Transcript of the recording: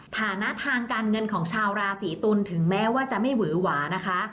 ฐานะทางการเงินของชาวราศีตุลถึงแม้ว่าจะไม่หวือหวานะคะ